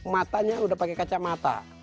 matanya sudah pakai kacamata